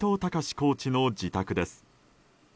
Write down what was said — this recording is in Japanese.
コーチの自宅です。